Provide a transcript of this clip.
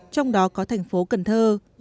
trong đó có thành phố cần thơ